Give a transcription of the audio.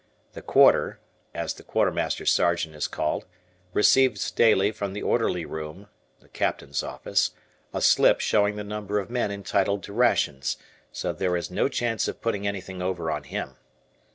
The "Quarter," as the Quartermaster Sergeant is called, receives daily from the Orderly Room (Captain's Office) a slip showing the number of men entitled to rations, so there is no chance of putting anything over on him.